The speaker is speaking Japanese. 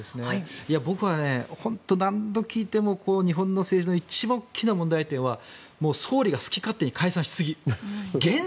僕は、何度聞いても日本の政治の一番大きな問題点は総理が好き勝手に解散しすぎ。